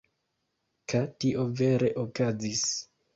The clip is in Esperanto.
Ka tio vere okazis.